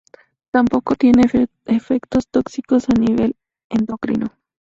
Tampoco tiene efectos tóxicos a nivel endocrino.